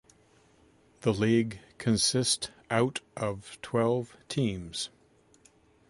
The league consist out of twelve teams.